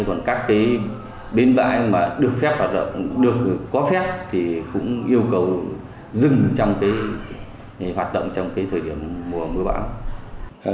còn các cái bến bãi mà được phép hoạt động được có phép thì cũng yêu cầu dừng trong hoạt động trong cái thời điểm mùa mưa bão